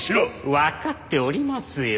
分かっておりますよ。